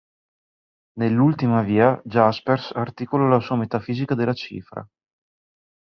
Nell'ultima via, Jaspers articola la sua metafisica della cifra.